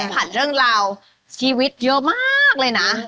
ผ่านเรื่องราวชีวิตเยอะมากเลยนะ